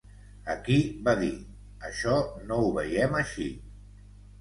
Aquí, va dir, això no ho veiem així.